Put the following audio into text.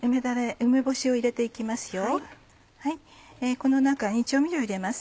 この中に調味料を入れます。